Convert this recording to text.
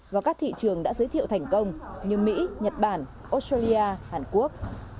và các thị trường đã giới thiệu thành công như mỹ nhật bản australia hàn quốc